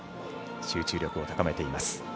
集中力を高めています。